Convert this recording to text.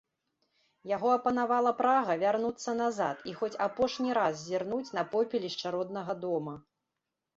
Яго апанавала прага вярнуцца назад і хоць апошні раз зірнуць на попелішча роднага дома.